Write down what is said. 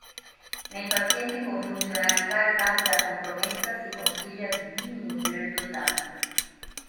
Nei pazienti con funzionalità epatica compromessa si consiglia di diminuire il dosaggio.